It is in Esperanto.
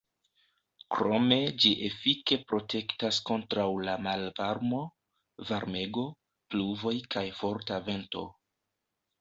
Krome ĝi efike protektas kontraŭ la malvarmo, varmego, pluvoj kaj forta vento.